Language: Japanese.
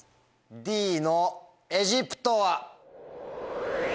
Ｄの「エジプト」は。